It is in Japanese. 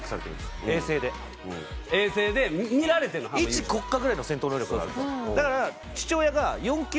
一国家ぐらいの戦闘能力があるから。